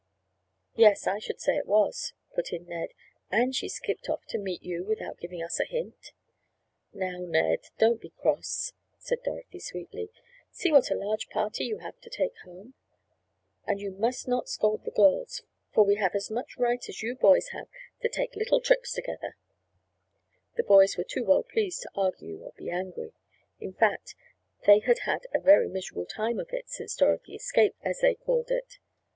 "Yes, I should say it was," put in Ned, "and she skipped off to meet you without giving us a hint—" "Now, Ned, don't be cross," said Dorothy sweetly. "See what a large party you have to take home. And you must not scold the girls, for we have as much right as you boys have to take little trips together." The boys were too well pleased to argue or be angry. In fact, they had had a very miserable time of it since Dorothy "escaped," as they called it.